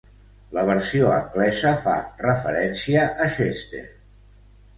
La versió anglesa fa referència a Chester.